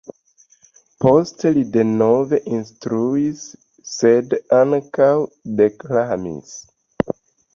Poste li denove instruis, sed ankaŭ deklamis.